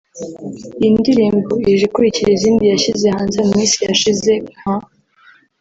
Iyi ndirimbo ije ikurikira izindi yashyize hanze mu minsi yashize nka